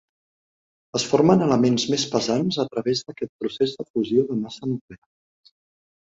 Es formen elements més pesants a través d'aquest procés de fusió de massa nuclear.